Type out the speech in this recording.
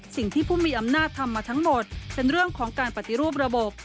สิ่งที่ผู้มีอำนาจทำมาทั้งหมดเป็นเรื่องของการปฏิรูประบบ